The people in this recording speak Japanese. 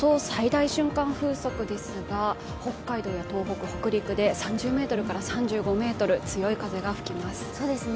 最大瞬間風速ですが、北海道や東北、北陸で３０メートルから３５メートル、強い風が吹きます。